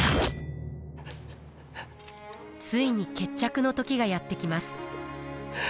ついに決着の時がやって来ます。